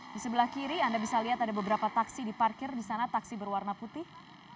di sebelah kiri anda bisa lihat ada beberapa taksi diparkir di sana taksi berwarna putih